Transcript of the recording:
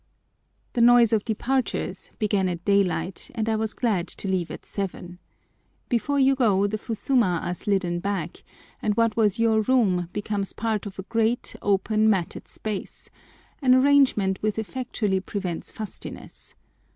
The noise of departures began at daylight, and I was glad to leave at seven. Before you go the fusuma are slidden back, and what was your room becomes part of a great, open, matted space—an arrangement which effectually prevents fustiness.